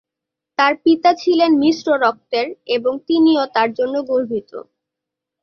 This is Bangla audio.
তার পিতা ছিলেন মিশ্র রক্তের এবং তিনিও তার জন্য গর্বিত।